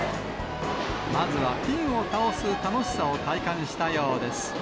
まずはピンを倒す楽しさを体感したようです。